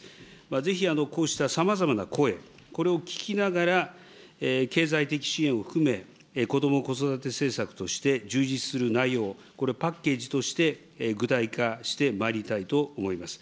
ぜひこうしたさまざまな声、これを聞きながら、経済的支援を含め、こども・子育て政策として充実する内容、これをパッケージとして具体化してまいりたいと思います。